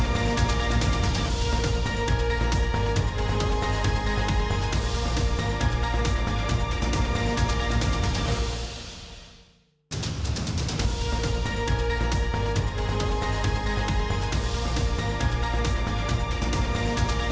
สวัสดีค่ะ